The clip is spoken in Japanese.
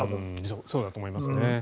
そうだと思いますね。